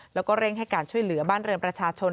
แล้วก็เร่งให้การช่วยเหลือบ้านเรือนประชาชน